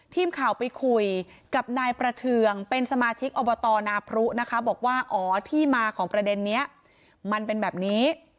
ทีมข่าวไปคุยกับนายประเทืองเป็นสมาชิกอบตนาพรุนะคะบอกว่าอ๋อที่มาของประเด็นนี้มันเป็นแบบนี้